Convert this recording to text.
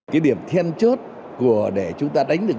cái điểm then chốt để chúng ta đánh được b năm mươi hai